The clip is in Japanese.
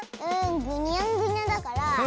ぐにゃんぐにゃだからタコ？